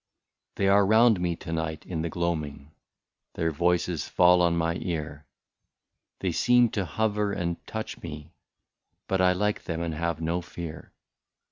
They are round me to night in the gloaming, Their voices fall on my ear ; They seem to hover and touch me, But I like them and have no fear.